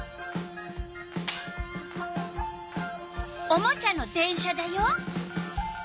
おもちゃの電車だよ。